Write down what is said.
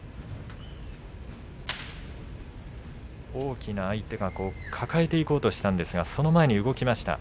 大きな相手が抱えていこうとしたんですがその前に動きました。